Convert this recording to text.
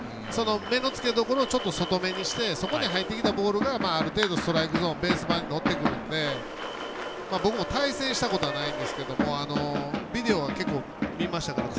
目の付けどころをちょっと外めにしてそこに入ってきたボールがある程度、ストライクゾーンベース板に乗ってくるので僕も対戦したことはないんですがビデオは結構、見ましたから。